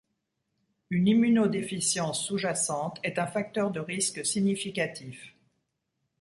Une immunodéficience sous-jacente est un facteur de risque significatif.